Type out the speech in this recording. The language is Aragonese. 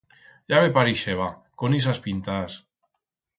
Ya me parixeba... con ixas pintas!